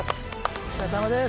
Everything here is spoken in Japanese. お疲れさまです。